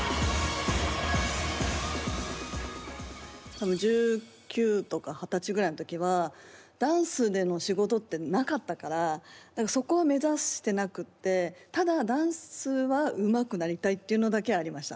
多分１９とか二十歳ぐらいの時はダンスでの仕事ってなかったからそこは目指してなくってただダンスはうまくなりたいっていうのだけありました。